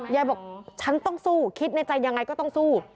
ยายบอกฉันต้องสู้คิดในใจยังไงก็ต้องสู้